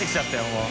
もう。